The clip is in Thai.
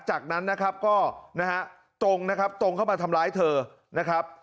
จากนั้นนะครับก็นะฮะตรงนะครับตรงเข้ามาทำร้ายเธอนะครับ